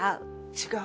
違う？